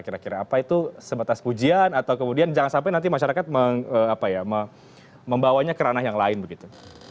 kira kira apa itu sebatas pujian atau kemudian jangan sampai nanti masyarakat membawanya ke ranah yang lain begitu